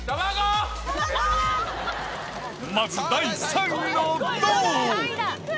まず第３位の銅。